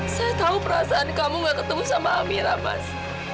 saya tahu perasaan kamu gak ketemu sama amira mas